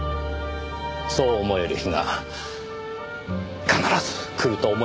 そう思える日が必ず来ると思いますよ。